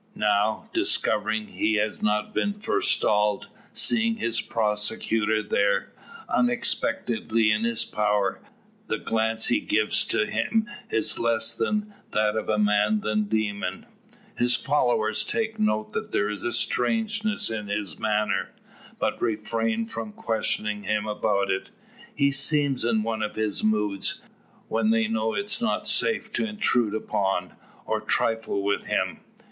Now, discovering he has not been forestalled, seeing his prosecutor there, unexpectedly in his power, the glance he gives to him is less like that of man than demon. His followers take note that there is a strangeness in his manner, but refrain from questioning him about it. He seems in one of his moods, when they know it is not safe to intrude upon, or trifle with him.